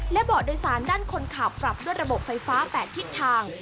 และเบาะโดยสารด้านคนขับปรับด้วยระบบไฟฟ้า๘ทิศทาง